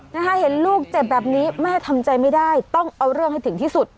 นะคะเห็นลูกเจ็บแบบนี้แม่ทำใจไม่ได้ต้องเอาเรื่องให้ถึงที่สุด